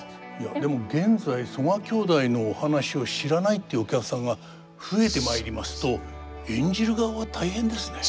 でも現在曽我兄弟のお話を知らないっていうお客さんが増えてまいりますと演じる側は大変ですね。